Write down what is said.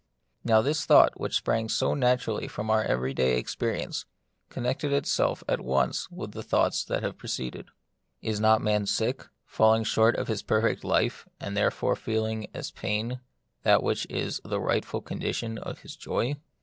Now this thought, which sprang so natu rally from our every day experience, connected itself at once with the thoughts that have pre ceded. Is not man sick, falling short of his perfect life, and therefore feeling as pain that which is the rightful condition of his joy